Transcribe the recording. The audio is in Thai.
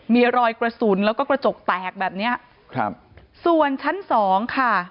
มีรอยกระสุนแล้วก็กระจกแตกแบบเนี้ยครับส่วนชั้นสองค่ะ